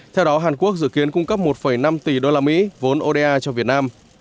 theo đó hàn quốc dự kiến cung cấp một năm tỷ đô la mỹ vốn oda cho việt nam